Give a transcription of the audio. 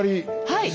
はい！